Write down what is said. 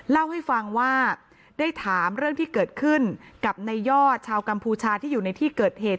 เล่าให้ฟังว่าได้ถามเรื่องที่เกิดขึ้นกับในยอดชาวกัมพูชาที่อยู่ในที่เกิดเหตุ